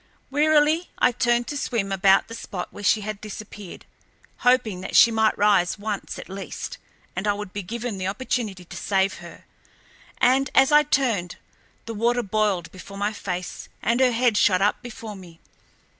Wearily I turned to swim about the spot where she had disappeared, hoping that she might rise once at least, and I would be given the opportunity to save her, and, as I turned, the water boiled before my face and her head shot up before me.